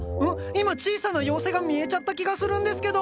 今小さな妖精が見えちゃった気がするんですけど！